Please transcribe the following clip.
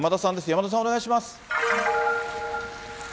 山田さん、お願いします。